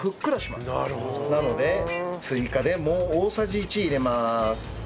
なので追加でもう大さじ１入れます。